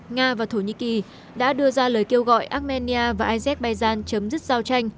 nga và thổ nhĩ kỳ đã đưa ra lời kêu gọi armenia và azerbaijan chấm dứt giao tranh